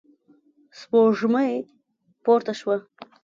سپوږمۍ پورته شوه.